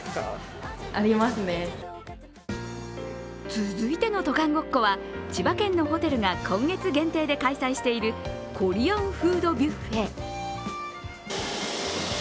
続いての渡韓ごっこは千葉県のホテルが今月限定で開催しているコリアンフードビュッフェ。